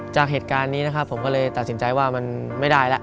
จากเหตุการณ์นี้นะครับผมก็เลยตัดสินใจว่ามันไม่ได้แล้ว